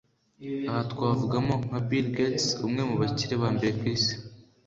aha twavugamo nka Bill Gates umwe mu bakire ba mbere ku isi